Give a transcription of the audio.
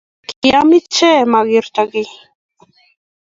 Kiam ichek magerta kiy